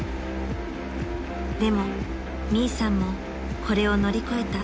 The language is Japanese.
［でもミイさんもこれを乗り越えた］